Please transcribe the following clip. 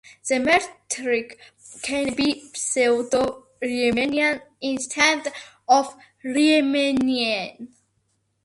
The metric can be pseudo-Riemannian instead of Riemannian.